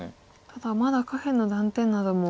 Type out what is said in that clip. ただまだ下辺の断点なども。